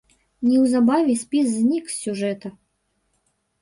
Неўзабаве спіс знік з сюжэта.